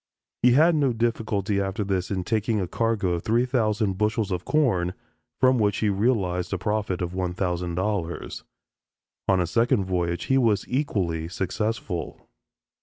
He had no difficulty after this in taking a cargo of three thousand bushels of corn, from which he realized a profit of $1000. On a second voyage he was equally successful.